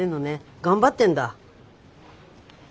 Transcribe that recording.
頑張ってんだ。